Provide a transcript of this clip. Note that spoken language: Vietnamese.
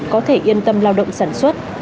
có thể yên tâm lao động sản xuất